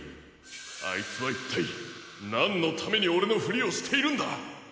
あいつはいったいなんのためにオレのフリをしているんだ？